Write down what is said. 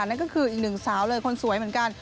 นั่นก็คืออีกหนึ่งสาวเลยคนสวยเหมือนกัน